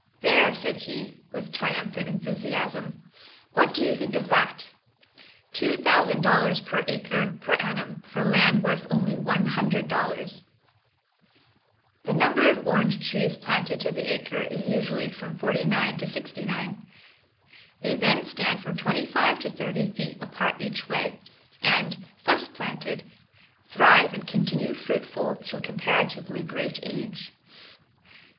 "There," said he, with triumphant enthusiasm, "what do you think of that? Two thousand dollars per acre per annum for land worth only one hundred dollars." [Illustration: SAN GABRIEL VALLEY] The number of orange trees planted to the acre is usually from forty nine to sixty nine; they then stand from twenty five to thirty feet apart each way, and, thus planted, thrive and continue fruitful to a comparatively great age.